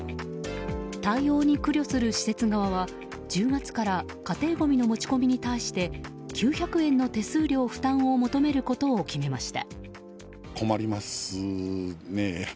対応に苦慮する施設側は１０月から家庭ごみの持ち込みに対して９００円の手数料負担を求めることを決めました。